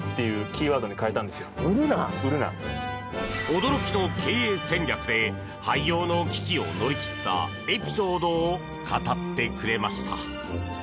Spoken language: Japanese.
驚きの経営戦略で廃業の危機を乗り切ったエピソードを語ってくれました。